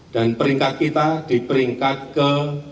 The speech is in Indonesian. dan peringkat kita di peringkat ke tiga